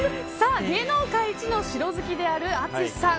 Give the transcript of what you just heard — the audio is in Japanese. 芸能界一の城好きである淳さん。